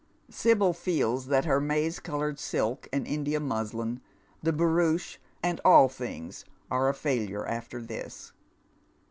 Sibyl feels that her maize coloured silk and India musHn, the barouche, and all things are a failure after this.